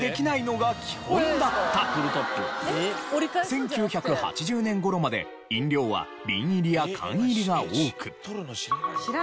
１９８０年頃まで飲料は瓶入りや缶入りが多く。